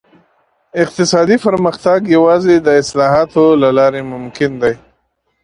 اقتصادي پرمختګ یوازې د اصلاحاتو له لارې ممکن دی.